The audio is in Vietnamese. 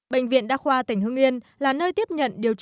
bệnh viện đa khoa tỉnh hưng yên là nơi tiếp nhận điều trị